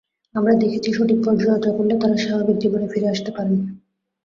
আমরা দেখেছি সঠিক পরিচর্যা করলে তাঁরা স্বাভাবিক জীবনে ফিরে আসতে পারেন।